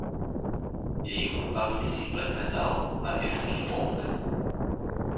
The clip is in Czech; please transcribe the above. Jejich hudba mísí black metal a irský folk.